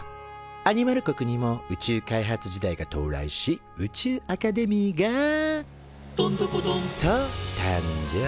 アニマル国にも宇宙開発時代が到来し宇宙アカデミーが「どんどこどん！」と誕生。